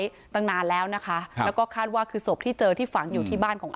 ตั้งนานแล้วนะคะแล้วก็คาดว่าคือศพที่เจอที่ฝังอยู่ที่บ้านของเขา